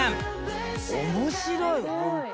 面白いホント。